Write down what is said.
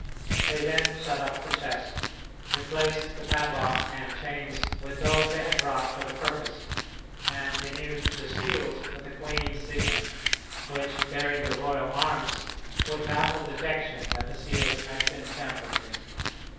They then shut up the chest, replaced the padlocks and chains with those they had brought for the purpose, and renewed the seals with the queen's signet, which, bearing the royal arms, would baffle detection that the seals had been tampered with.